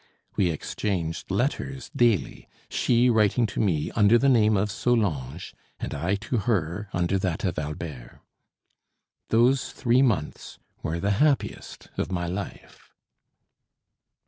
We exchanged letters daily, she writing to me under the name of Solange, and I to her under that of Albert. Those three months were the happiest of my life.